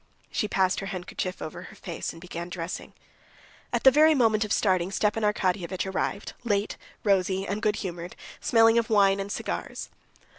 She passed her handkerchief over her face and began dressing. At the very moment of starting Stepan Arkadyevitch arrived, late, rosy and good humored, smelling of wine and cigars.